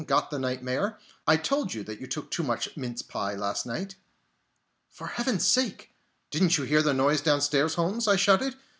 Got the nightmare? I told you that you took too much mince pie last night!" "For Heaven's sake, didn't you hear the noise downstairs, Holmes?" I shouted.